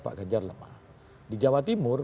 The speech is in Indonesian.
pak ganjar lemah di jawa timur